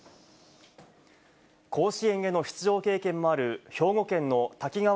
甲子園への出場経験もある兵庫県の滝川